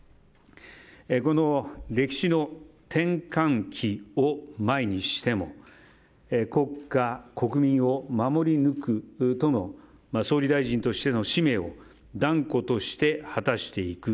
この歴史の転換期を前にしても国家国民を守り抜くとの総理大臣としての使命を断固として果たしていく。